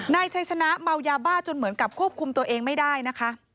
นายชัยชนะเมายาบ้าจนเหมือนกับควบคุมตัวเองไม่ได้นะคะ